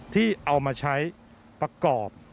ที่เอามาใช้ประกอบ